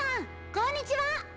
こんにちは！